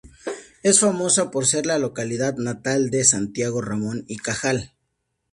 Es famosa por ser la localidad natal de Santiago Ramón y Cajal.